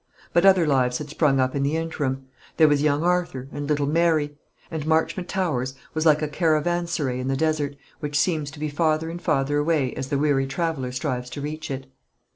But other lives had sprung up in the interim. There was young Arthur, and little Mary; and Marchmont Towers was like a caravanserai in the desert, which seems to be farther and farther away as the weary traveller strives to reach it.